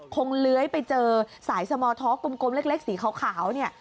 คงเล้ยไปเจอสายสมอท็อกกลมเล็กสีขาวนี่